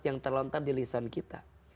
yang terlontar di lisan kita